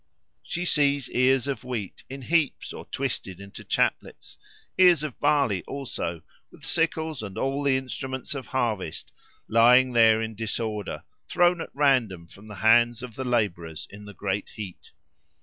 She sees ears of wheat, in heaps or twisted into chaplets; ears of barley also, with sickles and all the instruments of harvest, lying there in disorder, thrown at random from the hands of the labourers in the great heat.